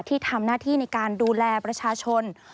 ที่ทำหน้าที่ในการดูแลประชาชน